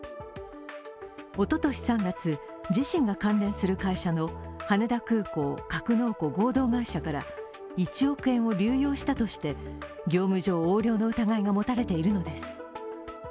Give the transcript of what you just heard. おととし３月、自身が関連する会社の羽田空港格納庫合同会社から１億円を流用したとして業務上横領の疑いが持たれているのです。